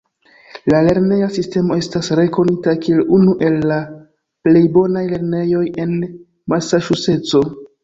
La lerneja sistemo estas rekonita kiel unu el la plej bonaj lernejoj en Masaĉuseco.